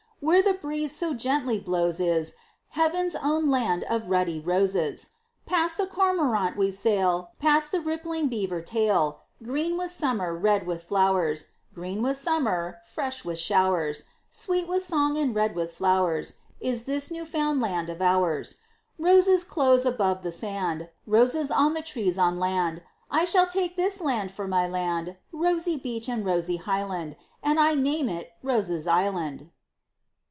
Where the breeze so gently blows is Heaven's own land of ruddy roses. Past the Cormorant we sail, Past the rippling Beaver Tail, Green with summer, red with flowers, Green with summer, fresh with showers, Sweet with song and red with flowers, Is this new found land of ours! Roses close above the sand, Roses on the trees on land, I shall take this land for my land, Rosy beach and rosy highland, And I name it Roses Island.